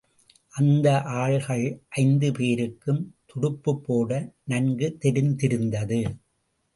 அந்த ஆள்கள் ஐந்து பேருக்கும் துடுப்புப் போட நன்கு தெரிந்திருந்தது.